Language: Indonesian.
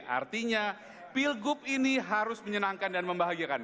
artinya pilgub ini harus menyenangkan dan membahagiakan